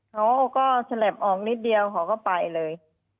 เขาก็ฉลับออกนิดเดียวเขาก็ไปเลย